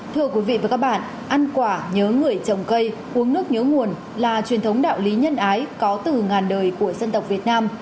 thưa quý vị và các bạn ăn quả nhớ người trồng cây uống nước nhớ nguồn là truyền thống đạo lý nhân ái có từ ngàn đời của dân tộc việt nam